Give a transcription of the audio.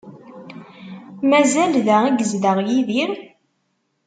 Mazal da i yezdeɣ Yidir?